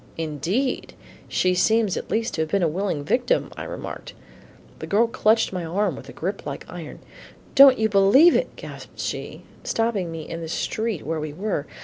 "Indeed! she seems at least to have been a willing victim," I remarked. The woman clutched my arm with a grip like iron. "Don't you believe it," gasped she, stopping me in the street where we were.